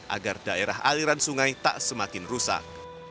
agar daerah aliran sungai tak semakin rusak